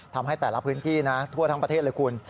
ทำให้แต่ละพื้นที่นะทั่วทั้งประเทศเลยคุณ